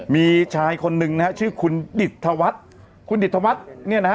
มีชายคนนึงนะฮะชื่อคุณดิษฐวัฏคุณดิษฐวัฏเนี้ยนะฮะ